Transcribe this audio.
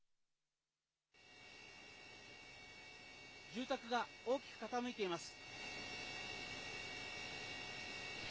住宅が大きく傾いています。